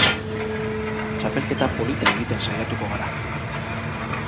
Txapelketa polita egiten saiatuko gara.